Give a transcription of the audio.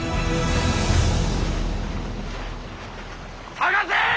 捜せ！